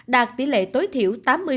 đạt tỷ lệ tối thiểu tám mươi